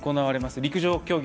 陸上競技